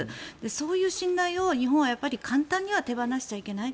そういう信頼を日本は簡単には手放しちゃいけない。